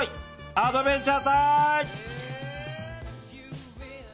アドベンチャータイム！